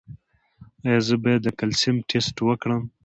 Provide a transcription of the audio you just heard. ایا زه باید د کلسیم ټسټ وکړم؟